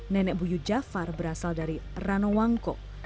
nenek bu yu jafar berasal dari rano wangkok